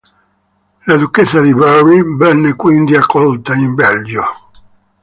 La duchessa di Berry venne quindi accolta in Belgio.